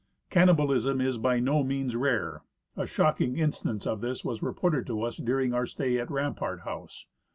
Cannibalism is by no means rare. A shocking instance of this was reported to us during our stay at Rampart house.